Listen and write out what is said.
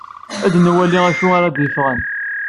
Ad nwali acu ara d-yeffɣen.